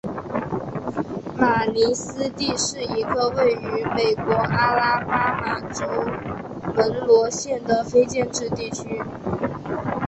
马尼斯蒂是一个位于美国阿拉巴马州门罗县的非建制地区。